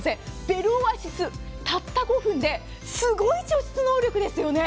ベルオアシス、たった５分ですごい除湿能力ですよね。